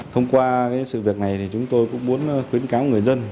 thông qua sự việc này thì chúng tôi cũng muốn khuyến cáo người dân